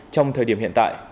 trong thời điểm hiện tại